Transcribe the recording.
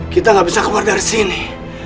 kita nggak bisa keluar dari sini